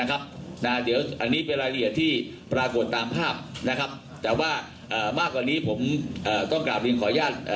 อันนี้เป็นรายละเอียดที่ปรากฏตามภาพนะครับแต่ว่ามากกว่านี้ผมต้องกลับเรียนขออนุญาต